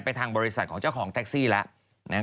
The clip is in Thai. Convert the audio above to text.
ทางบริษัทของเจ้าของแท็กซี่แล้ว